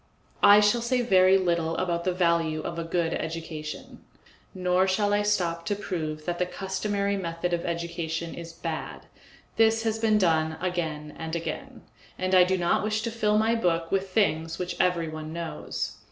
I shall say very little about the value of a good education, nor shall I stop to prove that the customary method of education is bad; this has been done again and again, and I do not wish to fill my book with things which everyone knows.